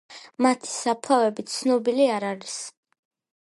მათი საფლავები ცნობილი არ არის.